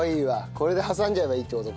これで挟んじゃえばいいって事か。